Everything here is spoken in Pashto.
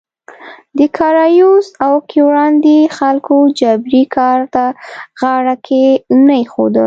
د کارایوس او کیورانډي خلکو جبري کار ته غاړه کې نه ایښوده.